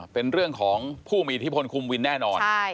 เป็นเรื่องของผู้มีอิทธิพลคุมวินแน่นอน